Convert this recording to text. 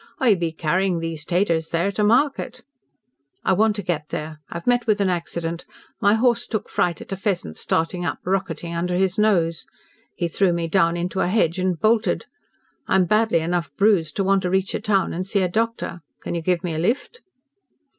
"I be carryin' these 'taters there to market." "I want to get there. I have met with an accident. My horse took fright at a pheasant starting up rocketting under his nose. He threw me into a hedge and bolted. I'm badly enough bruised to want to reach a town and see a doctor. Can you give me a lift?"